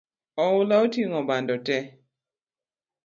Oula oting’o bando tee